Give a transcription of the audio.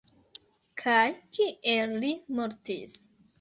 Kaj kiel li mortis?